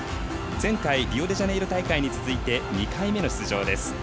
前回リオデジャネイロ大会に続いて２回目の出場です。